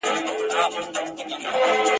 له ازله د انسان د لاس مریی وو !.